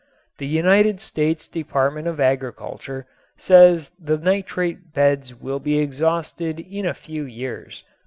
The United States Department of Agriculture says the nitrate beds will be exhausted in a few years.